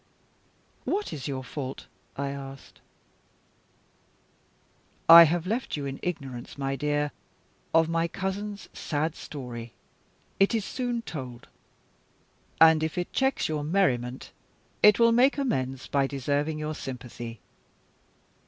"What is your fault?" I asked. "I have left you in ignorance, my dear, of my cousin's sad story. It is soon told; and, if it checks your merriment, it will make amends by deserving your sympathy.